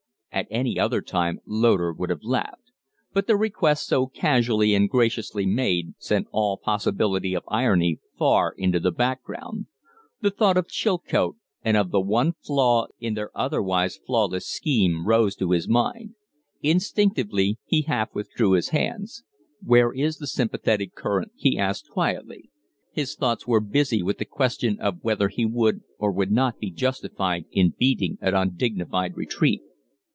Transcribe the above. At any other time Loder would have laughed; but the request so casually and graciously made sent all possibility of irony far into the background. The thought of Chilcote and of the one flaw in their otherwise flawless scheme rose to his mind. Instinctively he half withdrew his hands. "Where is the sympathetic current?" he asked, quietly. His thoughts were busy with the question of whether he would or would not be justified in beating an undignified retreat.